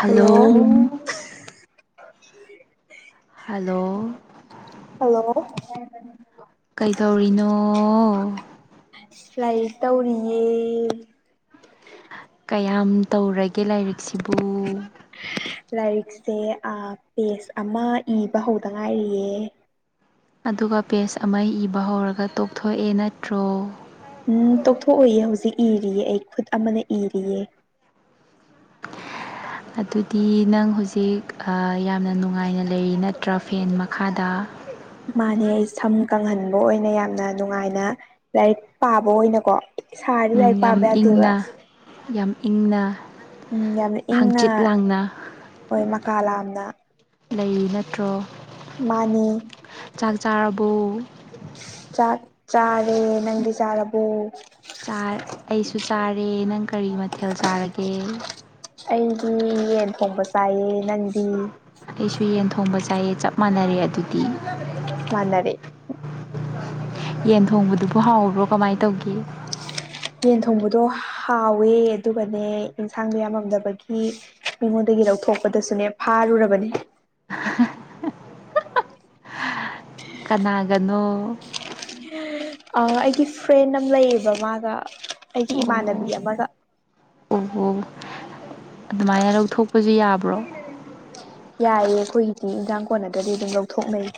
Hello [unintelligible] hello hello ꯀꯩꯗꯧꯔꯤꯅꯣ ꯂꯥꯏꯔꯤꯛ ꯇꯧꯔꯤꯌꯦ ꯀꯌꯥꯝ ꯇꯧꯔꯒꯦ ꯂꯥꯏꯔꯤꯛꯁꯤꯕꯨ ꯂꯥꯏꯔꯤꯛꯁꯦ ꯑꯥ ꯄꯦꯖ ꯑꯃ ꯏꯕ ꯍꯧꯗ ꯉꯥꯏꯔꯤꯌꯦ ꯑꯗꯨꯒ ꯄꯦꯁ ꯑꯃ ꯏꯕ ꯍꯧꯔꯒ ꯇꯣꯛꯊꯣꯛꯑꯦ ꯅꯠꯇ꯭ꯔꯣ ꯎꯝ ꯇꯣꯛꯊꯣꯛꯑꯣꯏꯌꯦ ꯍꯧꯖꯤꯛ ꯏꯔꯤꯌꯦ ꯑꯩ ꯈꯨꯠ ꯑꯃꯅ ꯏꯔꯤꯌꯦ ꯑꯗꯨꯗꯤ ꯅꯪ ꯍꯧꯖꯤꯛ ꯑꯥ ꯌꯥꯝꯅ ꯅꯨꯡꯉꯥꯏꯅ ꯂꯩꯔꯤ ꯅꯠꯇ꯭ꯔ ꯐꯦꯟ ꯃꯈꯥꯗ ꯃꯥꯅꯦ ꯑꯩ ꯁꯝ ꯀꯪꯍꯟꯕ ꯑꯣꯏꯅ ꯌꯥꯝꯅ ꯅꯨꯡꯉꯥꯏꯅ ꯂꯥꯏꯔꯤꯛ ꯄꯥꯕ ꯑꯣꯏꯅꯀꯣ ꯁꯔꯦ ꯂꯥꯛ ꯎꯝ ꯌꯥꯝ ꯄꯕ ꯌꯥꯗꯦꯕꯥ ꯏꯪꯅ ꯌꯥꯝ ꯏꯪꯅ ꯎꯝ ꯌꯥꯝꯅ ꯏꯪꯅ ꯍꯥꯡꯆꯤꯠ ꯂꯥꯡꯅ ꯍꯣꯏ ꯃꯀꯥ ꯂꯥꯝꯅ ꯂꯩꯔꯤ ꯅꯠꯇ꯭ꯔꯣ ꯃꯥꯅꯤ ꯆꯥꯛ ꯆꯥꯔꯕꯣ ꯆꯥꯛ ꯆꯥꯔꯦ ꯅꯪꯗꯤ ꯆꯥꯔꯕꯣ ꯆꯥꯔ ꯑꯩꯁꯨ ꯆꯥꯔꯦ ꯅꯪ ꯀꯔꯤ ꯃꯊꯦꯜ ꯆꯥꯔꯒꯦ ꯑꯩꯗꯤ ꯌꯦꯟ ꯊꯣꯡꯕ ꯆꯥꯏꯌꯦ ꯅꯪꯗꯤ ꯑꯩꯁꯨ ꯌꯦꯟ ꯊꯣꯡꯕ ꯆꯥꯏꯌꯦ ꯆꯞ ꯃꯥꯟꯅꯔꯦ ꯑꯗꯨꯗꯤ ꯃꯥꯟꯅꯔꯦ ꯌꯦꯟ ꯊꯣꯡꯕꯗꯨꯕꯨ ꯍꯥꯎꯕ꯭ꯔꯣ ꯀꯃꯥꯏ ꯇꯧꯒꯦ ꯌꯦꯟ ꯊꯣꯡꯕꯗꯣ ꯍꯥꯎꯋꯦ ꯑꯗꯨꯒꯅꯦ ꯏꯟꯁꯥꯡꯗꯣ ꯌꯥꯝꯃꯝꯗꯕꯒꯤ ꯃꯤꯉꯣꯟꯗꯒꯤ ꯂꯧꯊꯣꯛꯄꯗꯁꯨꯅꯦ ꯐꯥꯔꯨꯔꯕꯅꯤ ꯀꯅꯥꯒꯅꯣ ꯑꯥ ꯑꯩꯒꯤ ꯐ꯭ꯔꯦꯟ ꯑꯃ ꯂꯩꯌꯦꯕ ꯃꯥꯒ ꯑꯩꯒꯤ ꯏꯃꯥꯟꯅꯕꯤ ꯑꯃꯒ ꯑꯣꯍꯣ ꯑꯗꯨꯃꯥꯏꯅ ꯂꯧꯊꯣꯛꯄꯁꯨ ꯌꯥꯕ꯭ꯔꯣ ꯌꯥꯏꯌꯦ ꯑꯩꯈꯣꯏꯒꯤꯗꯤ ꯏꯟꯖꯥꯡ ꯀꯣꯟꯅꯗ꯭ꯔꯗꯤ ꯑꯗꯨꯝ ꯂꯧꯊꯣꯛꯅꯩꯌꯦ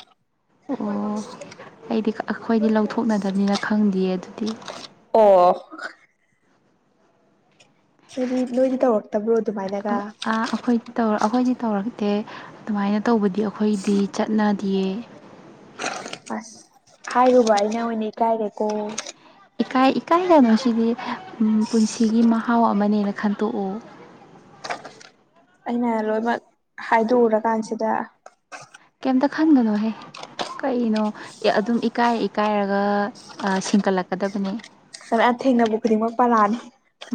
ꯑꯣ ꯑꯩꯗꯤ ꯑꯩꯈꯣꯏꯗꯤ ꯂꯧꯊꯣꯛꯅꯗꯕꯅꯤꯅ ꯈꯪꯗꯤꯌꯦ ꯑꯗꯨꯗꯤ ꯑꯣ ꯁꯤꯗꯤ ꯂꯣꯏꯅ ꯇꯧꯑꯣ ꯇꯕ꯭ꯔꯣ ꯑꯗꯨꯃꯥꯏꯅ ꯑꯛ ꯑꯥ ꯑꯈꯣꯏ ꯇꯧꯔ ꯑꯩꯈꯣꯏꯗꯤ ꯇꯧꯔꯛꯇꯦ ꯑꯗꯨꯃꯥꯏꯅ ꯇꯧꯕꯗꯤ ꯑꯩꯈꯣꯏꯗꯤ ꯆꯠꯅꯗꯤꯌꯦ ꯑꯁ ꯍꯥꯏꯔꯨꯕ ꯑꯩꯅ ꯑꯣꯏꯅ ꯏꯀꯥꯏꯔꯦꯀꯣ ꯏꯀꯥꯏ ꯏꯀꯥꯏꯒꯅꯣ ꯁꯤꯗꯤ ꯎꯝ ꯄꯨꯟꯁꯤꯒꯤ ꯃꯍꯥꯎ ꯑꯃꯅꯦꯅ ꯈꯟꯇꯣꯛꯑꯣ ꯑꯩꯅ ꯂꯣꯏꯃꯛ ꯍꯥꯏꯗꯣꯛꯎꯔꯀꯥꯟꯁꯤꯗ ꯀꯩꯝꯇ ꯈꯟꯒꯅꯣꯍꯦ ꯀꯩꯅꯣ ꯑꯦ ꯑꯗꯨꯝ ꯏꯀꯥꯏꯔ ꯏꯀꯥꯏꯔꯒ ꯑꯥ ꯁꯤꯡꯀꯠꯂꯛꯀꯗꯕꯅꯦ [unintelligible] ꯊꯦꯡꯅꯕ ꯈꯨꯗꯤꯡꯃꯛ ꯄꯥꯔꯥꯅꯦ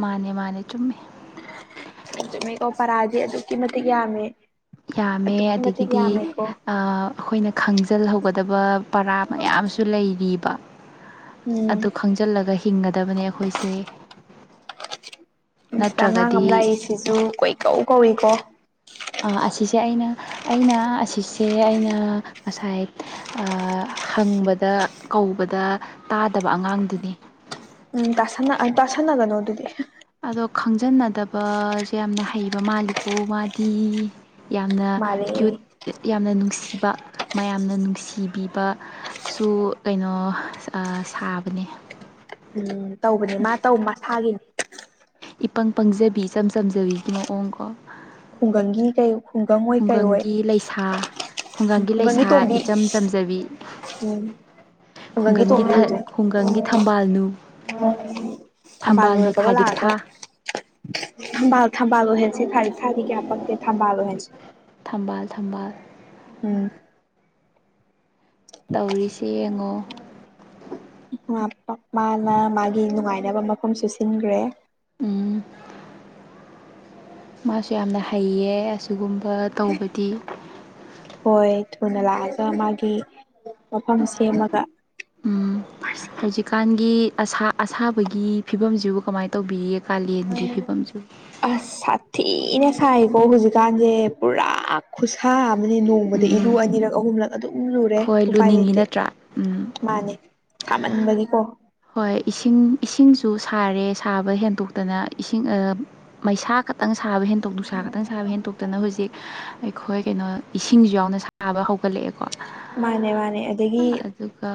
ꯃꯥꯅꯦ ꯃꯥꯅꯦ ꯆꯨꯝꯃꯤ ꯆꯨꯝꯃꯦꯀꯣ ꯄꯥꯔꯥꯗꯤ ꯑꯗꯨꯛꯀꯤ ꯃꯇꯤꯛ ꯌꯥꯝꯃꯦ ꯌꯥꯝꯃꯦ ꯑꯗꯨꯛꯀꯤ ꯃꯇꯤꯛ ꯑꯗꯒꯤꯗꯤ ꯌꯥꯝꯃꯦꯀꯣ ꯑꯥ ꯑꯩꯈꯣꯏꯅ ꯈꯪꯖꯜꯍꯧꯒꯗꯕ ꯄꯥꯔꯥ ꯃꯌꯥꯝꯁꯨ ꯂꯩꯔꯤꯕ ꯎꯝ ꯑꯗꯨ ꯈꯪꯖꯜꯂꯒ ꯍꯤꯡꯒꯗꯕꯅꯦ ꯑꯩꯈꯣꯏꯁꯦ [unintelligible] ꯑꯉꯥꯡ ꯑꯃ ꯅꯠꯇ꯭ꯔꯒꯗꯤ ꯂꯥꯛꯏꯁꯤꯁꯨ ꯀꯣꯏꯀꯧ ꯀꯧꯏꯀꯣ ꯑꯥ ꯑꯁꯤꯁꯦ ꯑꯩꯅ ꯑꯩꯅ ꯑꯁꯤꯁꯦ ꯑꯩꯅ ꯉꯁꯥꯏ ꯑꯥ ꯍꯪꯕꯗ ꯀꯧꯕꯗ ꯇꯥꯗꯕ ꯑꯉꯥꯡꯗꯨꯅꯤ ꯎꯝ ꯇꯥꯁꯟꯅ ꯇꯥꯁꯟꯅꯒꯅꯣ ꯑꯗꯨꯗꯤ ꯑꯗꯣ ꯈꯪꯖꯟꯅꯗꯕꯖꯦ ꯌꯥꯝꯅ ꯍꯩꯕ ꯃꯥꯜꯂꯤꯀꯣ ꯃꯥꯗꯤ ꯌꯥꯝꯅ ꯃꯥꯜꯂꯦ ꯀ꯭ꯌꯨꯠ ꯌꯥꯝꯅ ꯅꯨꯡꯁꯤꯕ ꯃꯌꯥꯝꯅ ꯅꯨꯡꯁꯤꯕꯤꯕꯁꯨꯨ ꯀꯩꯅꯣ ꯑꯥ ꯁꯥꯕꯅꯦ ꯎꯝ ꯇꯧꯕꯅꯦ ꯃꯥ ꯇꯧ ꯃꯁꯥꯒꯤꯅꯦ ꯏꯄꯪ ꯄꯪꯖꯕꯤ ꯏꯆꯝ ꯆꯝꯖꯕꯤꯒꯤ ꯃꯑꯣꯡ ꯀꯣ ꯈꯨꯡꯒꯪꯒꯤ ꯀꯩ ꯌꯨꯝ ꯈꯨꯡꯒꯪꯒꯤ ꯂꯩꯁꯥ ꯈꯨꯡꯒꯪꯒꯤ ꯂꯩꯁꯥ ꯏꯆꯝ ꯆꯝꯖꯕꯤ ꯎꯝ ꯈꯨꯡꯒꯪꯒꯤ ꯊꯥ ꯈꯨꯡꯒꯪꯒꯤ ꯊꯝꯕꯥꯜꯅꯨ ꯊꯝꯕꯥꯜ ꯊꯝꯕꯥꯜꯅꯨ ꯍꯦꯄꯒ ꯂꯥꯛꯑꯒ ꯊꯥꯔꯤꯛꯊꯥ ꯊꯝꯕꯥꯜ ꯊꯝꯕꯥꯜ ꯑꯣꯏꯍꯟꯁꯦ ꯊꯥꯔꯤꯛꯊꯥꯗꯤ ꯀꯌꯥ ꯄꯛꯇꯦ ꯊꯝꯕꯥꯜ ꯑꯣꯏꯍꯟꯁꯤ ꯊꯝꯕꯥꯜ ꯊꯝꯕꯥꯜ ꯎꯝ ꯇꯧꯔꯤꯁꯤ ꯌꯦꯡꯉꯣ ꯉꯥ ꯄꯛ ꯃꯥꯅ ꯃꯥꯒꯤ ꯅꯨꯡꯉꯥꯏꯅꯕ ꯃꯐꯝꯁꯨ ꯁꯤꯟꯈ꯭ꯔꯦ ꯎꯝ ꯃꯥꯁꯨ ꯌꯥꯝꯅ ꯍꯩꯌꯦ ꯑꯁꯤꯒꯨꯝꯕ ꯇꯧꯕꯗꯤ ꯍꯣꯏ ꯊꯨꯅ ꯂꯥꯛꯑꯒ ꯃꯥꯒꯤ ꯃꯐꯝ ꯁꯦꯝꯃꯒ ꯀꯥꯟꯒꯤ ꯑꯁꯥ ꯑꯁꯥꯕꯒꯤ ꯐꯤꯕꯝꯁꯤꯕꯨ ꯀꯃꯥꯏꯟ ꯇꯧꯕꯤꯔꯤ ꯀꯥꯂꯦꯟꯒꯤ ꯐꯤꯕꯝꯁꯨ ꯑꯁ ꯁꯥꯊꯤꯅ ꯁꯥꯏꯀꯣ ꯍꯨꯖꯤꯛ ꯀꯥꯟꯁꯦ ꯄꯨꯔꯥ ꯈꯨꯁꯥ ꯑꯃꯅꯤ ꯅꯣꯡꯃꯗ ꯏꯔꯨ ꯎꯝ ꯑꯅꯤꯔꯛ ꯑꯍꯨꯝꯂꯛ ꯑꯗꯨꯝ ꯂꯨꯔꯦ ꯍꯣꯏ ꯎꯄꯥꯏ ꯂꯨꯅꯤꯡꯉꯤ ꯂꯩꯇꯦ ꯅꯠꯇ꯭ꯔꯥ ꯎꯝ ꯃꯥꯅꯦ ꯁꯥꯃꯟꯕꯒꯤꯀꯣ ꯍꯣꯏ ꯏꯁꯤꯡ ꯏꯁꯤꯡꯁꯨ ꯁꯥꯔꯦ ꯁꯥꯕ ꯍꯦꯟꯇꯣꯛꯇꯅ ꯏꯁꯤꯡ ꯑꯥ ꯃꯩꯁꯥ ꯈꯛꯇꯪ ꯁꯥꯕ ꯍꯦꯟꯇꯣꯛ ꯅꯨꯡꯁꯥ ꯈꯛꯇꯪ ꯁꯥꯕ ꯍꯦꯟꯇꯣꯛ ꯈꯛꯇꯅ ꯍꯨꯖꯤꯛ ꯑꯩꯈꯣꯏ ꯀꯩꯅꯣ ꯏꯁꯤꯡꯁꯨ ꯌꯥꯎꯅ ꯁꯥ ꯁꯥꯥꯕ ꯍꯧꯒꯠꯂꯛꯑꯦ ꯀꯣ ꯃꯥꯅꯦ ꯃꯥꯅꯦ ꯑꯗꯒꯤ ꯑꯗꯨꯒ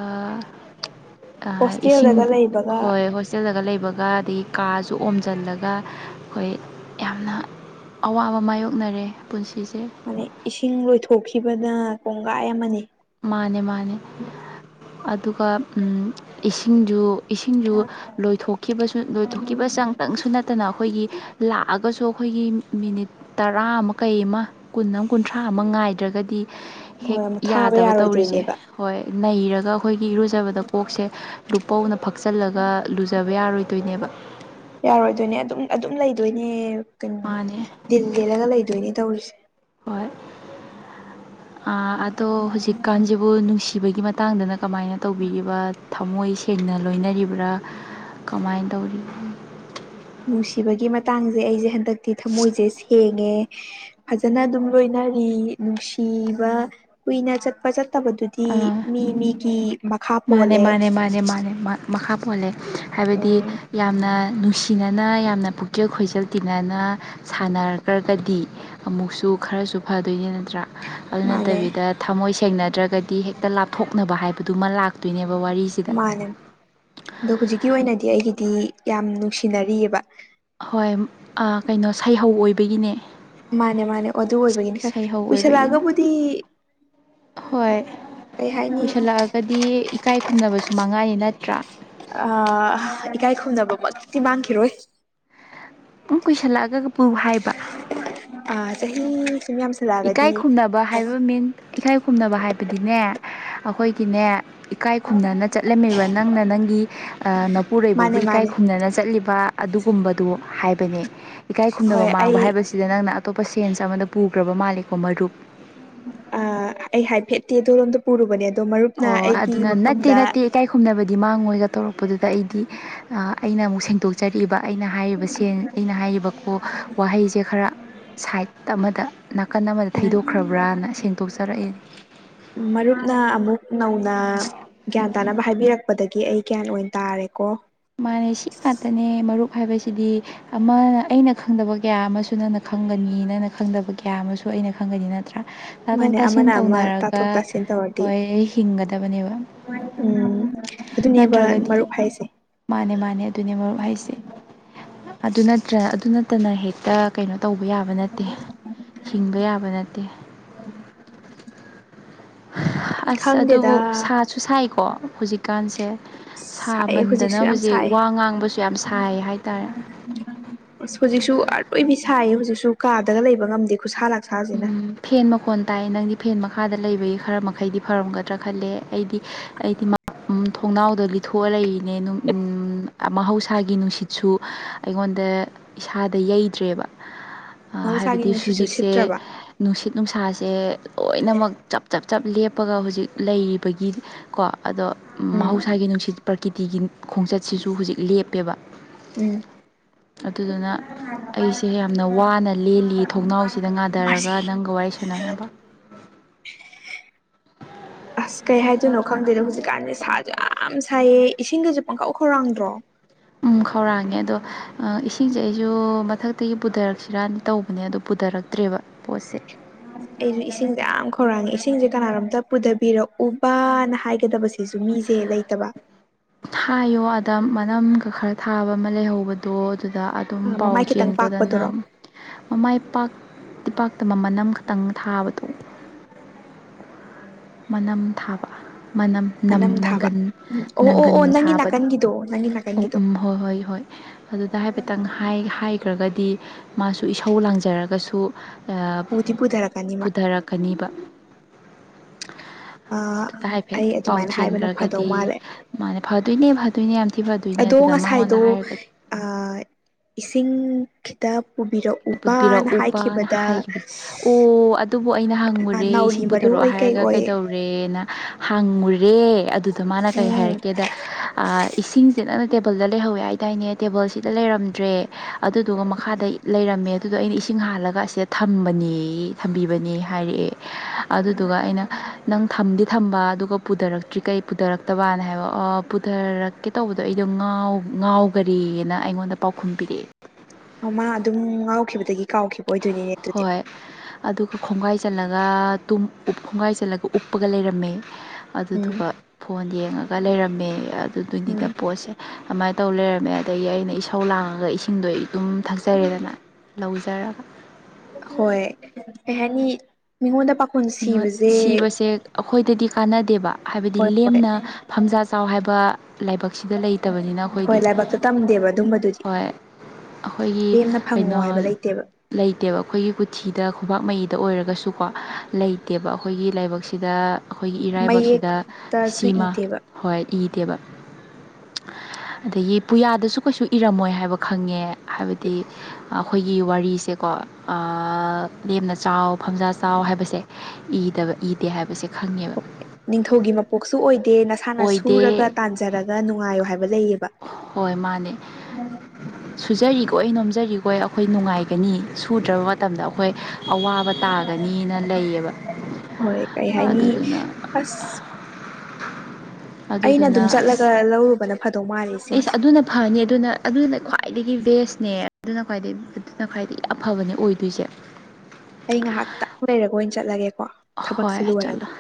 ꯏꯁꯤꯡ ꯍꯣꯁꯇꯦꯜꯗꯒ ꯂꯩꯕꯒ ꯍꯣꯏ ꯍꯣꯏ ꯆꯜꯂꯒ ꯂꯩꯕꯒ ꯑꯗꯒꯤ ꯀꯥꯁꯨ ꯑꯣꯝꯁꯤꯜꯂꯒ ꯑꯩꯈꯣꯏ ꯌꯥꯝꯅ ꯑꯋꯥꯕ ꯃꯥꯏꯌꯣꯛꯅꯔꯦ ꯄꯨꯟꯁꯤꯁꯦ ꯑꯗꯩ ꯏꯁꯤꯡ ꯂꯣꯏꯊꯣꯛꯈꯤꯕꯗ ꯀꯣꯡꯒꯥꯏ ꯑꯃꯅꯤ ꯃꯥꯅꯦ ꯃꯥꯅꯦ ꯑꯗꯨꯒ ꯎꯝ ꯏꯁꯤꯡꯁꯨ ꯏꯁꯤꯡꯁꯨ ꯂꯣꯏꯊꯣꯛꯈꯤꯕꯁꯨ ꯂꯣꯏꯊꯣꯛꯈꯤꯕ ꯆꯪꯇꯪꯁꯨ ꯅꯠꯇꯅ ꯑꯩꯈꯣꯏꯒꯤ ꯂꯥꯛꯑꯒꯁꯨ ꯑꯩꯈꯣꯏꯒꯤ ꯃꯤꯅꯤꯠ ꯇꯔꯥ ꯑꯃ ꯀꯩ ꯑꯃ ꯀꯨꯟ ꯑꯃ ꯀꯨꯟꯊ꯭ꯔꯥ ꯑꯃ ꯉꯥꯏꯗ꯭ꯔꯒꯗꯤ ꯍꯦꯛ ꯍꯣꯏ ꯑꯃꯨꯛ ꯊꯥꯕ ꯌꯥꯗꯕ ꯇꯧꯔꯤꯁꯦ ꯌꯥꯔꯣꯏꯗꯣꯏꯅꯦꯕ ꯍꯣꯏ ꯅꯩꯔꯒ ꯑꯩꯈꯣꯏꯒꯤ ꯏꯔꯨꯖꯕꯗ ꯀꯣꯛꯁꯦ ꯂꯨꯄꯧꯅ ꯐꯛꯆꯜꯂꯒ ꯂꯨꯖꯕ ꯌꯥꯔꯣꯏꯗꯣꯏꯅꯦꯕ ꯌꯥꯔꯣꯏꯗꯣꯏꯅꯦ ꯑꯗꯨꯝ ꯑꯗꯨꯝ ꯂꯩꯗꯣꯏꯅꯦ ꯀꯩꯅꯣ ꯃꯥꯅꯦ ꯗꯤꯜ ꯂꯦꯜꯂꯒ ꯂꯩꯗꯣꯏꯅꯦ ꯇꯧꯔꯤꯁꯤ ꯍꯣꯏ ꯑꯥ ꯑꯗꯣ ꯍꯧꯖꯤꯛꯀꯥꯟꯁꯤꯕꯨ ꯅꯨꯡꯁꯤꯕꯒꯤ ꯃꯇꯥꯡꯗꯅ ꯀꯃꯥꯏꯅ ꯇꯧꯕꯤꯔꯤꯕ ꯊꯥꯃꯣꯏ ꯁꯦꯡꯅ ꯂꯣꯏꯅꯔꯤꯕ꯭ꯔꯥ ꯀꯃꯥꯏꯟ ꯇꯧꯔꯤ ꯅꯨꯡꯁꯤꯕꯒꯤ ꯃꯇꯥꯡꯁꯦ ꯑꯩꯁꯦ ꯍꯟꯗꯛꯇꯤ ꯊꯃꯣꯏꯁꯦ ꯁꯦꯡꯉꯦ ꯐꯥꯖꯅ ꯑꯗꯨꯝ ꯂꯣꯏꯅꯔꯤ ꯅꯨꯡꯁꯤꯕ ꯀꯨꯏꯅ ꯆꯠꯄ ꯆꯠ ꯇꯕꯗꯨꯗꯤ ꯑꯥ ꯃꯤ ꯃꯤꯒꯤ ꯃꯈꯥ ꯃꯥꯅꯦ ꯄꯣꯜꯂꯦ ꯃꯥꯅꯦ ꯃꯥꯅꯦ ꯃꯥꯅꯦ ꯃꯈꯥ ꯄꯣꯜꯂꯦ ꯍꯥꯏꯕꯗꯤ ꯎꯝ ꯌꯥꯝꯅ ꯅꯨꯡꯁꯤ ꯇꯤꯅꯅ ꯌꯥꯝꯅ ꯄꯨꯛꯆꯦꯜ ꯈꯣꯏꯖꯦꯜ ꯇꯤꯟꯅꯅ ꯁꯥꯟꯅꯒ ꯀꯗꯤ ꯑꯃꯨꯛꯁꯨ ꯈꯔꯁꯨ ꯐꯗꯣꯏꯅꯤ ꯅꯠꯇ꯭ꯔꯥ ꯑꯗꯨ ꯃꯥꯅꯦ ꯅꯠꯇꯕꯤꯗ ꯊꯝꯃꯣꯏ ꯁꯦꯡꯅꯗ꯭ꯔꯒꯗꯤ ꯍꯦꯛꯇ ꯂꯥꯞꯊꯣꯛꯅꯕ ꯍꯥꯏꯕꯗꯨ ꯃꯥ ꯂꯥꯛ ꯄꯤꯅꯤꯕ ꯋꯥꯔꯤ ꯃꯥꯅꯦ ꯑꯗꯣ ꯍꯨꯖꯤꯛꯀꯤ ꯑꯣꯏꯅꯗꯤ ꯑꯩꯒꯤꯗꯤ ꯌꯥꯝ ꯅꯨꯡꯁꯤꯅꯔꯤꯌꯦꯕ ꯍꯣꯏ ꯑꯥ ꯀꯩꯅꯣ ꯁꯩꯍꯧ ꯑꯣꯏꯕꯒꯤꯅꯦ ꯃꯥꯅꯦ ꯃꯥꯅꯦ ꯑꯗꯨ ꯑꯣꯏꯕꯒꯤꯅꯤ ꯁꯩꯍꯧ ꯑꯣꯏꯕꯒꯤꯅꯦ ꯀꯨꯏꯁꯜꯂꯛꯑꯒꯕꯨꯗꯤ ꯍꯣꯏ ꯀꯩ ꯍꯥꯏꯅꯤ ꯀꯨꯏꯁꯜꯂꯛꯑꯒꯗꯤ ꯏꯀꯥꯏ ꯈꯨꯝꯅꯕꯁꯨ ꯃꯥꯡꯉꯛꯑꯅꯤ ꯅꯠꯇ꯭ꯔꯥ꯫ ꯑꯥ ꯏꯀꯥꯏ ꯈꯨꯝꯅꯕꯃꯛꯇꯤ ꯃꯥꯡꯈꯤꯔꯣꯏ꯫ ꯇꯨꯝ ꯀꯨꯏꯁꯜꯂꯛꯑꯒꯕꯨ ꯍꯥꯏꯞ ꯑꯥ ꯆꯍꯤ ꯁꯨꯝ ꯌꯥꯝ꯫ ꯏꯀꯥꯏ ꯈꯨꯝꯅꯕ ꯍꯥꯏꯕ ꯃꯤꯟ ꯏꯀꯥꯏ ꯈꯨꯝꯅꯕ ꯍꯥꯏꯕꯗꯤꯅꯦ ꯑꯩꯈꯣꯏꯒꯤꯅꯦ꯫ ꯏꯀꯥꯏ ꯈꯨꯝꯅꯅ ꯆꯠꯂꯝꯃꯤꯕ ꯅꯪꯅ ꯅꯪꯒꯤ ꯑꯥ ꯅꯄꯨꯔꯣꯏꯕꯕꯨ ꯃꯥꯅꯦ ꯏꯀꯥꯏ ꯃꯥꯅꯦ ꯈꯨꯝꯅꯅ ꯆꯠꯂꯤꯕ꯫ ꯑꯗꯨꯒꯨꯝꯕꯗꯨ ꯍꯥꯏꯕꯅꯦ ꯏꯀꯥꯏ ꯈꯨꯝꯅꯕ ꯍꯣꯏ ꯃꯥꯡꯕ ꯑꯩ ꯍꯥꯏꯕꯁꯤꯗ ꯅꯪꯅ ꯑꯇꯣꯞꯄ ꯁꯦꯟꯁ ꯑꯃꯗ ꯄꯨ ꯒꯔ꯭ꯕ ꯃꯥꯜꯂꯦꯀꯣ ꯃꯔꯨꯞ꯫ ꯑ ꯑꯩ ꯍꯥꯏꯐꯦꯠꯇꯤ ꯗꯣꯂꯣꯝꯗꯣ ꯄꯨꯔꯨꯕꯅꯦ ꯑꯗꯣ ꯃꯔꯨꯞꯅ ꯑꯣ ꯑꯩꯒꯤ ꯑꯗꯨꯅ ꯅꯠꯇꯦ ꯃꯐꯝꯗ꯫ ꯅꯠꯇꯦ ꯏꯀꯥꯏ ꯈꯨꯝꯅꯕꯗꯤ ꯃꯥꯡꯉꯣꯏꯒ ꯇꯧꯔꯛꯄꯗꯨꯗ ꯑꯩꯗꯤ ꯑꯥ ꯑꯩꯅ ꯑꯃꯨꯛ ꯁꯦꯡꯗꯣꯛ ꯆꯔꯤꯕ ꯑꯩꯅ ꯍꯥꯏꯔꯤꯕ ꯁꯦꯟ ꯑꯩꯅ ꯍꯥꯏꯔꯤꯕꯀꯣ ꯋꯥꯍꯩꯖꯦ ꯈꯔ ꯁꯥꯏꯠ ꯑꯃꯗ ꯅꯥꯀꯟ ꯑꯃꯗ ꯊꯩꯗꯣꯛꯈ꯭ꯔꯕ꯭ꯔꯅ ꯁꯦꯡꯗꯣꯛꯆꯔꯛꯏꯟ ꯃꯔꯨꯞꯅ ꯑꯃꯨꯛ ꯅꯧꯅ ꯒ꯭ꯌꯥꯟ ꯇꯥꯅꯕ ꯍꯥꯏꯕꯤꯔꯛ ꯄꯗꯒꯤ ꯑꯩ ꯒꯌꯥꯟ ꯑꯣꯏꯟ ꯇꯥꯔꯦꯀꯣ ꯃꯥꯅꯦ ꯁꯤ ꯉꯥꯛꯇꯅꯦ ꯃꯔꯨꯞ ꯍꯥꯏꯕꯁꯤꯗꯤ꯫ ꯑꯃꯅ ꯑꯩꯅ ꯈꯪꯗꯕ ꯀꯌꯥ ꯑꯃꯁꯨ ꯅꯪꯅ ꯈꯪꯒꯅꯤ ꯅꯪꯅ ꯈꯪꯗꯕ ꯀꯌꯥ ꯑꯃꯁꯨ ꯑꯩꯅ ꯈꯪꯒꯅꯤ ꯅꯠꯇ꯭ꯔꯥ꯫ ꯇꯥꯊꯣꯛ ꯃꯥꯅꯦ ꯇꯥꯁꯤꯟ ꯑꯃꯅ ꯑꯃ ꯇꯧꯅꯔꯒ ꯇꯥꯊꯣꯛ ꯇꯥꯁꯤꯟ ꯇꯧꯔꯗꯤ ꯍꯣꯏ ꯍꯤꯡꯒꯗꯕꯅꯦꯕ꯫ ꯎꯝ ꯑꯗꯨꯅꯦꯕ ꯅꯠꯇ꯭ꯔꯒꯗꯤ ꯃꯔꯨꯞ ꯍꯥꯏꯁꯦ꯫ ꯃꯥꯅꯦ ꯃꯥꯅꯦ ꯑꯗꯨꯅꯦ ꯃꯔꯨꯞ ꯍꯥꯏꯁꯦ ꯑꯗꯨ ꯅꯠꯇ꯭ꯔ ꯑꯗꯨ ꯅꯠꯇꯅ ꯍꯦꯛꯇ ꯀꯩꯅꯣ ꯇꯧꯕ ꯌꯥꯕ ꯅꯠꯇꯦ ꯍꯤꯡꯕ ꯌꯥꯕ ꯅꯠꯇꯦ꯫ [inaudible] ꯑꯁ ꯈꯪꯗꯦꯗ ꯑꯗꯨꯕꯨ ꯁꯥꯁꯨ ꯁꯥꯏꯀꯣ ꯍꯨꯖꯤꯛꯀꯥꯟꯁꯦ꯫ ꯁꯥꯏꯑꯦ ꯁꯥꯃꯟꯗꯅ ꯍꯧꯖꯤꯛꯁꯨ ꯌꯥꯝ ꯍꯨꯖꯤꯛ ꯁꯥꯏ ꯋꯥ ꯉꯥꯡꯕꯁꯨ ꯌꯥꯝ ꯁꯥꯏ ꯍꯥꯏꯇꯥꯔꯦ꯫ ꯑꯁ ꯍꯨꯖꯤꯛꯁꯨ ꯑꯔꯣꯏꯕꯤ ꯁꯥꯏꯌꯦ ꯍꯨꯖꯤꯛꯁꯨ ꯀꯥꯗꯒ ꯂꯩꯕ ꯉꯝꯗꯦ ꯈꯨꯠꯁꯥ ꯂꯥꯛꯁꯥꯖꯤꯅ꯫ ꯎꯝ ꯐꯦꯟ ꯃꯈꯣꯟ ꯇꯥꯏꯌꯦ ꯅꯪꯗꯤ ꯐꯦꯟ ꯃꯈꯥꯗ ꯂꯩꯕꯒꯤ ꯈꯔ ꯃꯈꯩꯗꯤ ꯐꯔꯝꯒꯗ꯭ꯔꯥ ꯈꯜꯂꯦ ꯑꯩꯗꯤ ꯑꯩꯗꯤ ꯎꯝ ꯊꯣꯡꯅꯥꯎꯗ ꯂꯤꯊꯣꯛꯑ ꯂꯩꯔꯤꯅꯦ ꯅꯨ ꯎꯝ ꯃꯍꯧꯁꯥꯒꯤ ꯅꯨꯡꯁꯤꯠꯁꯨ ꯑꯩꯉꯣꯟꯗ꯫ ꯏꯁꯥꯗ ꯌꯩꯗ꯭ꯔꯦꯕ ꯑꯥ ꯃꯍꯧꯁꯥꯒꯤ ꯍꯥꯏꯕꯗꯤ ꯅꯨꯡꯁꯤꯠꯁꯨ ꯁꯨꯖꯤꯛꯁꯦ꯫ ꯁꯤꯠꯇ꯭ꯔꯕ ꯅꯨꯡꯁꯤꯠ ꯅꯨꯡꯁꯥꯁꯦ ꯂꯣꯏꯅꯃꯛ ꯆꯞ ꯆꯞ ꯆꯞ ꯂꯦꯞꯄꯒ ꯍꯨꯖꯤꯛ ꯂꯩꯔꯤꯕꯒꯤ꯫ ꯀꯣ ꯑꯗꯣ ꯎꯝ ꯃꯍꯧꯁꯥꯒꯤ ꯅꯨꯡꯁꯤꯠ ꯄ꯭ꯔꯀꯤꯇꯤꯒꯤ ꯈꯣꯡꯆꯠꯁꯤꯁꯨ ꯍꯨꯖꯤꯛ ꯂꯦꯞꯄꯦꯕ꯫ ꯎꯝ ꯑꯗꯨꯗꯨꯅ ꯑꯩꯁꯤ ꯌꯥꯝꯅ ꯋꯥꯅ ꯂꯦꯜꯂꯤ ꯊꯣꯡꯅꯥꯎꯁꯤꯗ ꯉꯥ ꯊꯔꯒ ꯃꯥꯔꯁꯤ ꯅꯪꯒ ꯋꯥꯔꯤ ꯁꯥꯟꯅꯅꯕ꯫ ꯑꯁ ꯀꯩ ꯍꯥꯏꯗꯣꯏꯅꯣ ꯈꯪꯗꯦꯗ ꯍꯨꯖꯤꯛꯀꯥꯟꯗꯤ ꯁꯥꯖꯨ ꯌꯥꯝ ꯁꯥꯏꯌꯦ ꯏꯁꯤꯡꯒꯁꯨ ꯄꯪꯈꯧ ꯈꯧꯔꯥꯡꯗ꯭ꯔꯣ꯫ ꯎꯝ ꯈꯧꯔꯥꯡꯉꯦ ꯑꯗꯣ ꯑꯥ ꯏꯁꯤꯡꯁꯦ ꯑꯩꯁꯨ ꯃꯊꯛꯇꯒꯤ ꯄꯨꯊꯔꯛꯁꯤꯔꯅ ꯇꯧꯕꯅꯦ ꯑꯗꯣ꯫ ꯄꯨꯗꯔꯛꯇ꯭ꯔꯦꯕ ꯄꯣꯠꯁꯦ꯫ ꯑꯩꯖꯨ ꯏꯁꯤꯡꯖꯦ ꯌꯥꯝ ꯈꯧꯔꯥꯡꯉꯦ ꯏꯁꯤꯡꯖꯦ ꯀꯅꯥꯅꯣꯝꯇ ꯄꯨꯊꯕꯤꯔꯛꯎꯕꯥꯅ ꯍꯥꯏꯒꯗꯕꯁꯦ꯫ ꯖꯨ ꯃꯤꯖꯦ ꯂꯩꯇꯕ꯫ ꯍꯥꯏꯌꯣ ꯑꯗ ꯃꯅꯝꯒ ꯈꯔ ꯊꯥꯕ ꯑꯃ ꯂꯩꯍꯧꯕꯗꯣ ꯑꯗꯨꯗ꯫ ꯗꯨꯝ ꯄꯥꯎ ꯃꯃꯥꯏ ꯈꯤꯇꯪ ꯄꯥꯛꯄꯗꯨꯔꯣ ꯆꯦꯟꯒꯣꯗꯅꯝ ꯃꯃꯥꯏ ꯄꯥꯛꯇꯤ ꯄꯥꯛꯇꯕ ꯃꯅꯝ ꯈꯇꯪ ꯊꯥꯕꯗꯣ꯫ ꯃꯅꯝ ꯊꯥꯕ ꯃꯅꯝ ꯅꯝ ꯊꯥꯕ ꯅꯪꯒꯟ ꯎꯝ ꯑꯣ ꯑꯣ ꯅꯪꯒꯟ ꯑꯣ ꯅꯪꯒꯤ ꯊꯥꯕꯗꯣ꯫ ꯅꯥꯀꯟꯒꯤꯗꯣ ꯅꯪꯒꯤ ꯅꯥꯀꯟꯒꯤꯗꯣ ꯃꯍꯣꯏ ꯍꯣꯏ ꯍꯣꯏ꯫ ꯑꯗꯨꯗ ꯍꯥꯏꯐꯦꯠꯇꯪ ꯍꯥꯏ ꯍꯥꯏꯈ꯭ꯔꯒꯗꯤ ꯃꯥꯁꯨ ꯏꯁꯧ ꯂꯥꯡꯖꯔꯒꯁꯨ꯫ ꯑꯥ ꯄꯨꯗꯤ ꯄꯨꯊꯔꯛꯀꯅꯤ ꯃꯥ ꯄꯨꯊꯔꯛꯀꯅꯤꯕ ꯑꯥ ꯑꯗꯨꯗ ꯍꯥꯏꯐꯦꯠ ꯑꯩ ꯄꯥꯎ ꯑꯗꯨꯃꯥꯏꯅ ꯍꯥꯏꯕꯅ ꯐꯗꯧ ꯆꯦꯟꯈ꯭ꯔꯒꯗꯤ ꯃꯥꯜꯂꯦ ꯃꯥꯅꯦ ꯐꯗꯣꯏꯅꯦ ꯐꯗꯣꯏꯅꯦ ꯌꯥꯝ ꯊꯤ ꯐꯥ ꯑꯗꯣ ꯉꯁꯥꯏꯗꯣ ꯑꯥ ꯏꯁꯤꯡ ꯈꯤꯇ ꯄꯨꯕꯤꯔꯛꯑꯣ ꯄꯨꯕꯤꯔꯛꯎꯕꯅ ꯍꯥꯏꯈꯤꯕꯅꯦ ꯑꯣ ꯑꯥ ꯑꯗꯨꯕꯨ ꯑꯩꯅ ꯍꯪꯉꯨꯔꯦ ꯅꯥꯎꯔꯤ ꯏꯁꯤꯡ ꯃꯔꯨ ꯄꯨꯊꯣꯔꯛꯎ ꯑꯣꯏ ꯀꯩ ꯍꯥꯏꯔꯒ ꯑꯣꯏ ꯀꯩꯗꯧ ꯨꯔꯦꯅ ꯍꯪꯉꯨꯔꯦ ꯑꯗꯨꯗ ꯃꯥꯅ ꯀꯩ ꯎꯝ ꯍꯥꯏꯔꯛꯀꯦꯗ ꯑꯥꯪ ꯏꯁꯤꯡꯁꯦ ꯅꯪꯅ ꯇꯦꯕꯜꯗ ꯂꯩꯍꯧꯋꯦ ꯍꯥꯏꯗꯥꯏꯅꯦ ꯇꯦꯕꯜꯁꯤꯗ ꯂꯩꯔꯝꯗ꯭ꯔꯦ ꯑꯗꯨꯗꯨꯒ ꯃꯈꯥꯗꯩ ꯂꯩꯔꯝꯃꯦ ꯑꯗꯨꯗꯣ ꯑꯩꯅ ꯏꯁꯤꯡ ꯍꯥꯜꯂꯒ ꯑꯁꯤꯗ ꯊꯝꯕꯅꯦ ꯊꯝꯕꯤꯕꯅꯦ ꯍꯥꯏꯔꯛꯑꯦ ꯑꯗꯨꯗꯨꯒ ꯑꯩꯅ ꯅꯪ ꯊꯝꯗꯤ ꯊꯝꯕ ꯑꯗꯨꯒ ꯄꯨꯊꯔꯛꯇ꯭ꯔꯤ ꯀꯩ ꯄꯨꯗꯥ ꯇꯕ ꯃꯅ ꯍꯥꯏꯕ ꯄꯨꯊꯔꯛꯀꯦ ꯇꯧꯕꯗꯣ ꯑꯩꯗꯣ ꯉꯥꯎꯈꯔꯦꯅ ꯑꯩꯉꯣꯟꯗ ꯄꯥꯎꯈꯨꯝ ꯄꯤꯔꯛꯑꯦ ꯑꯣ ꯃꯥ ꯑꯗꯨꯝ ꯉꯥꯎꯈꯤꯕꯗꯒꯤ ꯀꯥꯎꯈꯤꯕ ꯑꯣꯏꯗꯣꯏꯅꯤꯅꯦ ꯑꯗꯨꯨꯗꯤ ꯍꯣꯏ ꯑꯗꯨꯒ ꯈꯣꯡꯒꯥꯏ ꯆꯜꯂꯒ ꯇꯨꯝ ꯈꯣꯡꯒꯥꯏ ꯆꯜꯂꯒ ꯎꯞꯄꯒ ꯂꯩꯔꯝꯃꯦ ꯎꯝ ꯑꯗꯨꯗꯨꯒ ꯐꯣꯟ ꯌꯦꯡꯉꯒ ꯂꯩꯔꯝꯃꯦ ꯑꯗꯨꯗꯨꯅꯤꯗ ꯎꯝ ꯄꯣꯠꯁꯦ ꯑꯃꯥꯏꯅ ꯇꯧ ꯂꯩꯔꯝꯃꯦ ꯑꯗꯒꯤ ꯑꯩꯅ ꯏꯁꯧ ꯂꯥꯡꯉꯒ ꯏꯁꯤꯡꯗꯣ ꯑꯩ ꯑꯗꯨꯝ ꯊꯛꯆꯔꯦꯗꯅ ꯂꯧꯖꯔꯒ ꯍꯣꯏ ꯀꯩ ꯍꯥꯏꯅꯤ ꯃꯤꯉꯣꯟꯗ ꯄꯥ ꯃꯤꯉꯣꯠ ꯁꯤꯕꯁꯦ ꯑꯩꯈꯣꯏꯗꯗꯤ ꯀꯥꯟꯅꯗꯦꯕ ꯍꯥꯏꯕꯗꯤ ꯍꯣꯏ ꯍꯣꯏ ꯂꯦꯝꯅ ꯐꯝꯖꯥ ꯆꯥꯎ ꯍꯥꯏꯕ ꯂꯥꯏꯕꯛ ꯁꯤꯗ ꯂꯩꯇꯕꯅꯤꯅ ꯍꯣꯏ ꯑꯩꯈꯣꯏꯗꯤ ꯂꯥꯏꯕꯛꯇ ꯇꯝꯗꯦꯕ ꯑꯗꯨꯝꯕꯗꯨꯗꯤ ꯍꯣꯏ ꯑꯩꯈꯣꯏꯒꯤ ꯂꯦꯝꯅ ꯐꯪꯉꯣ ꯀꯩꯅꯣ ꯍꯥꯏꯕ ꯂꯩꯇꯦꯕ ꯂꯩꯇꯦꯕ ꯑꯩꯈꯣꯏꯒꯤ ꯀꯨꯊꯤꯗ ꯈꯨꯄꯥꯛ ꯃꯌꯤꯗ ꯑꯣꯏꯔꯒꯁꯨꯀꯣ ꯂꯩꯇꯦꯕ ꯑꯩꯈꯣꯏꯒꯤ ꯂꯥꯏꯕꯛꯁꯤꯗ ꯑꯩꯈꯣꯏꯒꯤ ꯏꯔꯥꯏꯕꯛꯁꯤꯗ ꯃꯌꯦꯛꯇꯁꯨ ꯁꯤꯃꯥ ꯏꯗꯦꯕ ꯍꯣꯏ ꯏꯗꯦꯕ ꯑꯗꯒꯤ ꯄꯨꯌꯥꯗꯁꯨ ꯀꯩꯁꯨ ꯏꯔꯝꯃꯣꯏ ꯍꯥꯏꯕ ꯈꯪꯉꯦ ꯍꯥꯏꯕꯗꯤ ꯑꯩꯈꯣꯏꯒꯤ ꯋꯥꯔꯤꯁꯦꯀꯣ ꯑꯥ ꯂꯦꯝꯅ ꯆꯥꯎ ꯐꯝꯖꯥ ꯆꯥꯎ ꯍꯥꯏꯕꯁꯦ ꯏꯗꯕ ꯏꯗꯦ ꯍꯥꯏꯕꯁꯦ ꯈꯪꯉꯦꯕ ꯅꯤꯡꯊꯧꯒꯤ ꯃꯄꯣꯛꯁꯨ ꯑꯣꯏꯗꯦ ꯅꯁꯥꯅ ꯁꯨꯔꯒ ꯑꯣꯏꯗꯦ ꯇꯥꯟꯖꯔꯒ ꯅꯨꯡꯉꯥꯏꯌꯣ ꯍꯥꯏꯕ ꯂꯩꯑꯕ ꯍꯣꯏ ꯃꯥꯅꯦ ꯁꯨꯖꯔꯤꯈꯣꯏ ꯅꯣꯝꯖꯔꯤꯈꯣꯏ ꯑꯩꯈꯣꯏ ꯅꯨꯡꯉꯥꯏꯒꯅꯤ ꯁꯨꯗ꯭ꯔꯕ ꯃꯇꯝꯗ ꯑꯩꯈꯣꯏ ꯑꯋꯥꯕ ꯇꯥꯒꯅꯤꯅ ꯂꯩꯑꯕ ꯍꯣꯏ ꯀꯩ ꯍꯥꯏꯅꯤ ꯑꯗꯨꯗꯨꯅ ꯑꯁ [unintelligible] ꯑꯩꯅ ꯑꯗꯨꯝ ꯆꯠꯂꯒ ꯂꯧꯔꯨꯕꯅ ꯐꯗꯧ ꯃꯥꯜꯂꯤꯁꯦ ꯑꯁ ꯑꯗꯨꯅ ꯐꯅꯤ ꯑꯗꯨꯅ ꯑꯗꯨꯅ ꯈ꯭ꯋꯥꯏꯗꯒꯤ ꯕꯦꯁꯅꯦ ꯑꯗꯨꯅ ꯈ꯭ꯋꯥꯏꯗꯒꯤ ꯑꯗꯨꯅ ꯈ꯭ꯋꯥꯏꯗꯒꯤ ꯌꯥꯝ ꯐꯕꯅꯦ ꯑꯣꯏꯗꯣꯏꯁꯦ ꯑꯩ ꯉꯥꯏꯍꯥꯛꯇꯪ ꯂꯩꯔꯒ ꯑꯣꯏꯅ ꯆꯠꯂꯒꯦꯀꯣ ꯍꯣꯏ ꯊꯕꯛꯁꯤ ꯂꯣꯏꯔꯒ ꯆꯠꯂꯣ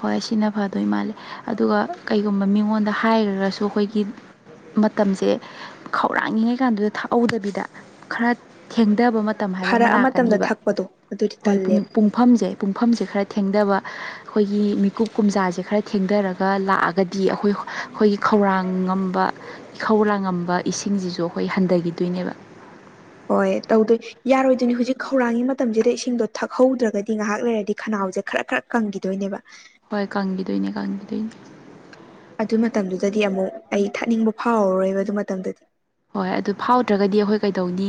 ꯍꯣꯏ ꯁꯤꯅ ꯐꯗꯣꯏ ꯃꯥꯜꯂꯦ ꯑꯗꯨꯒ ꯀꯩꯒꯨꯝꯕ ꯃꯤꯉꯣꯟꯗ ꯍꯥꯏꯈ꯭ꯔꯒꯁꯨ ꯑꯩꯈꯣꯏꯒꯤ ꯃꯇꯝꯁꯦ ꯈꯧꯔꯥꯡꯉꯉꯩ ꯀꯥꯟꯗꯨꯗ ꯊꯥꯛꯍꯧꯗꯕꯤꯗ ꯈꯔ ꯊꯦꯡꯊꯕ ꯃꯇꯝ ꯃꯇꯝ ꯍꯥꯏꯕ ꯑꯃ ꯐꯔꯛꯑ ꯃꯇꯝꯗ ꯂꯥꯛꯀꯅꯤꯕ ꯊꯛꯄꯗꯣ ꯑꯗꯨꯗꯤ ꯍꯣꯏ ꯇꯜꯂꯦꯕ ꯄꯨꯡ ꯄꯨꯡꯐꯝꯁꯦ ꯄꯨꯡꯐꯝꯁꯦ ꯈꯔ ꯊꯦꯡꯗꯕ ꯑꯩꯈꯣꯏꯒꯤ ꯃꯤꯀꯨꯞ ꯀꯨꯝꯖꯥꯁꯦ ꯈꯔ ꯊꯦꯡꯊꯔꯒ ꯂꯥꯛꯑꯒꯗꯤ ꯑꯩꯈꯣꯏ ꯑꯩꯈꯣꯏꯒꯤ ꯈꯧꯔꯥꯡꯉꯝꯕ ꯏꯈꯧꯔꯥꯡꯉꯝꯕ ꯏꯁꯤꯡꯁꯤꯁꯨ ꯑꯩꯈꯣꯏ ꯍꯟꯊꯈꯤꯗꯣꯏꯅꯦꯕ ꯍꯣꯏ ꯇꯧꯗꯣꯏ ꯌꯥꯔꯣꯏꯗꯣꯏꯅꯤ ꯍꯧꯖꯤꯛ ꯈꯧꯔꯥꯡꯒꯤ ꯃꯇꯝꯁꯤꯗ ꯏꯁꯤꯡꯗꯣ ꯊꯛꯍꯧꯗ꯭ꯔꯒꯗꯤ ꯉꯥꯏꯍꯥꯛ ꯂꯩꯔꯗꯤ ꯈꯅꯥꯎꯁꯦ ꯈꯔꯛ ꯈꯔꯛ ꯀꯪꯈꯤꯗꯣꯏꯅꯦꯕ ꯍꯣꯏ ꯀꯪꯒꯤꯗꯣꯏꯅꯦ ꯀꯪꯒꯤꯗꯣꯏꯅꯦ ꯑꯗꯨ ꯃꯇꯝꯗꯨꯗꯗꯤ ꯑꯃꯨꯛ ꯑꯩ ꯊꯠꯅꯤꯡꯕ ꯐꯥꯎꯔꯔꯣꯏꯕ ꯑꯗꯨ ꯃꯇꯝꯗꯗꯤ ꯍꯣꯏ ꯑꯗꯨ ꯐꯥꯎꯗ꯭ꯔꯒꯗꯤ ꯑꯈꯣꯏ ꯀꯩꯗꯧꯅꯤ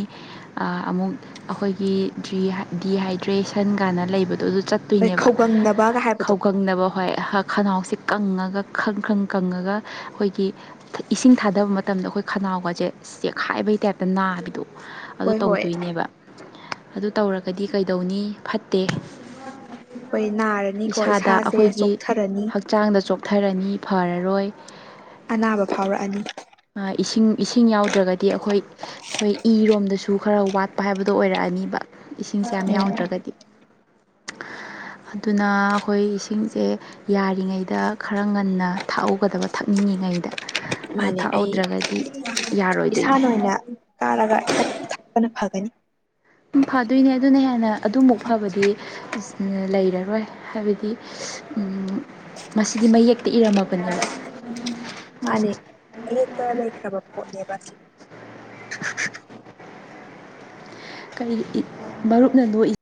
ꯑ ꯑꯃꯨꯛ ꯑꯈꯣꯏꯒꯤ ꯗ꯭ꯔꯤꯍꯥꯏ ꯗꯤꯍꯥꯏꯗ꯭ꯔꯦꯁꯟ ꯀꯥꯏꯅ ꯂꯩꯕꯗꯣ ꯑꯗꯨ ꯆꯠ ꯍꯣꯏ ꯇꯨꯏꯅꯦꯕ ꯈꯧꯒꯪꯅꯕꯒ ꯍꯥꯏꯕꯗꯣ ꯈꯧꯒꯪꯅꯕ ꯍꯣꯏ ꯍꯛ ꯈꯅꯥꯎꯁꯦ ꯀꯪꯉꯒ ꯈ꯭ꯔꯪ ꯈ꯭ꯔꯪ ꯀꯪꯉꯒ ꯑꯈꯣꯏꯒꯤ ꯈ ꯏꯁꯤꯡ ꯊꯥꯗꯕ ꯃꯇꯝꯗ ꯑꯈꯣꯏ ꯈꯅꯥꯎꯒꯖꯦ ꯁꯤ ꯇꯦꯛꯈꯥꯏꯕꯩ ꯇꯥꯏꯞꯇ ꯅꯥꯕꯤꯗꯣ ꯑꯗꯨ ꯍꯣꯏ ꯍꯣꯏ ꯇꯧꯗꯣꯏꯅꯦꯕ ꯑꯗꯨ ꯇꯧꯔꯒꯗꯤ ꯀꯩꯗꯧꯅꯤ ꯐꯠꯇꯦ ꯍꯣꯏ ꯅꯥꯔꯅꯤꯀꯣ ꯏꯁꯥꯗ ꯏꯁꯥꯁꯦ ꯑꯩꯈꯣꯏꯒꯤ ꯆꯣꯛꯊꯥꯔꯅꯤ ꯍꯛꯆꯥꯡꯗ ꯆꯣꯛꯊꯔꯅꯤ ꯐꯔꯔꯣꯏ ꯑꯅꯥꯕ ꯐꯥꯎꯔꯛꯑꯅꯤ ꯑ ꯏꯁꯤꯡ ꯏꯁꯤꯡ ꯌꯥꯎꯗ꯭ꯔꯒꯗꯤ ꯑꯈꯣꯏ ꯑꯈꯣꯏ ꯏꯔꯣꯝꯗꯁꯨ ꯈꯔ ꯋꯥꯠꯄ ꯍꯥꯏꯕꯗꯣ ꯑꯣꯏꯔꯛꯑꯅꯤꯕ ꯏꯁꯤꯡꯁꯦ ꯌꯥꯝ ꯎꯝ ꯌꯥꯎꯗ꯭ꯔꯒꯗꯤ ꯑꯗꯨꯅ ꯑꯈꯣꯏ ꯏꯁꯤꯡꯁꯦ ꯌꯥꯔꯤꯉꯩꯗ ꯈꯔ ꯉꯟꯅ ꯊꯥꯛꯍꯧꯒꯗꯕ ꯊꯛꯅꯤꯡꯉꯤꯉꯩꯗ ꯑꯗꯨ ꯃꯥꯅꯦ ꯑꯩ ꯊꯥꯛꯍꯧꯗ꯭ꯔꯒꯗꯤ ꯌꯥꯔꯣꯏꯗꯣꯏꯅꯦ ꯏꯁꯥꯅ ꯑꯣꯏꯅ ꯀꯥꯔꯒ ꯊꯛꯄꯅ ꯐꯒꯅꯤ ꯎꯝ ꯐꯥꯗꯣꯏꯅꯦ ꯑꯗꯨꯅ ꯍꯦꯟꯅ ꯑꯗꯨꯃꯨꯛ ꯐꯕꯗꯤ ꯂꯩꯔꯔꯣꯏ ꯍꯥꯏꯕꯗꯤ ꯎꯝ ꯃꯁꯤꯗꯤ ꯃꯌꯦꯛꯇ ꯏꯔꯝꯃꯕꯅꯦꯕ ꯃꯥꯅꯦ ꯃꯌꯦꯛꯇ ꯂꯩꯈ꯭ꯔꯕ ꯄꯣꯠꯅꯦꯕ ꯁꯤ ꯀꯔꯤꯒꯤ ꯃꯔꯨꯞꯅ ꯅꯣꯛꯏ